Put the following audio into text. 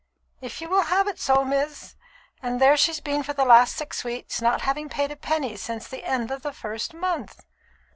"If you will have it so, miss; and there she's been for the last six weeks, not having paid a penny since the end of the first month."